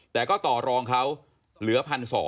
แต่ก็ต่อรองเขาเหลือ๑๒๐๐